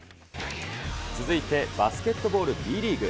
続いてバスケットボールＢリーグ。